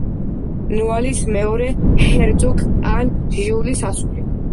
ნოალის მეორე ჰერცოგ ან ჟიულის ასული.